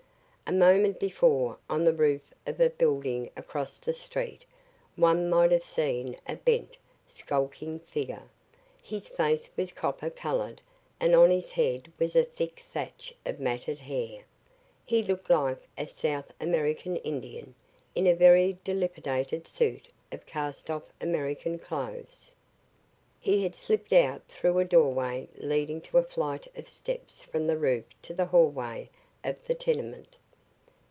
A moment before, on the roof of a building across the street, one might have seen a bent, skulking figure. His face was copper colored and on his head was a thick thatch of matted hair. He looked like a South American Indian, in a very dilapidated suit of castoff American clothes. He had slipped out through a doorway leading to a flight of steps from the roof to the hallway of the tenement.